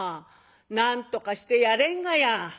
「なんとかしてやれんがや」。